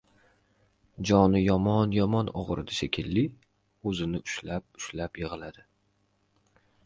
Joni yomon-yomon og‘ridi shekilli — og‘zini ushlab-ushlab yig‘ladi.